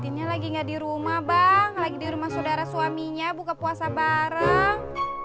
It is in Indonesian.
izinnya lagi nggak di rumah bang lagi di rumah saudara suaminya buka puasa bareng